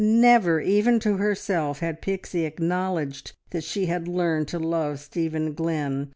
Never, even to herself, had Pixie acknowledged that she had learned to love Stephen Glynn.